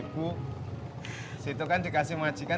gua mau nyantai makanan pengajian